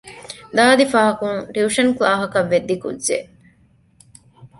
ދާދި ފަހަކުން ޓިއުޝަން ކްލާހަކަށް ވެއްދި ކުއްޖެއް